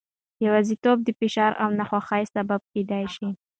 یوازیتوب د فشار او ناخوښۍ سبب کېدای شي.